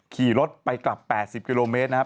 ขี่รถไปกลับ๘๐กิโลเมตรนะครับ